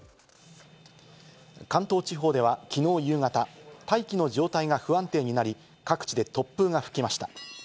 関東地方では、きのう夕方、大気の状態が不安定になり、各地で突風が吹きました。